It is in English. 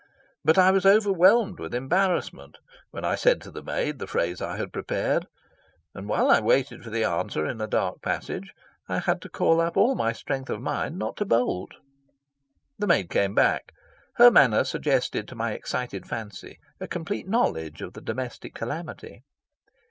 But I was overwhelmed with embarrassment when I said to the maid the phrase I had prepared, and while I waited for the answer in a dark passage I had to call up all my strength of mind not to bolt. The maid came back. Her manner suggested to my excited fancy a complete knowledge of the domestic calamity.